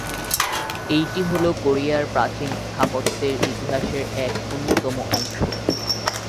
এইটি হল কোরিয়ার প্রাচীন স্থাপত্যের ইতিহাসের এক অন্যতম অংশ।